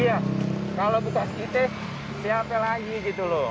iya kalau bukan kita siapa lagi gitu loh